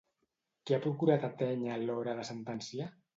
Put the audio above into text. Què ha procurat atènyer a l'hora de sentenciar?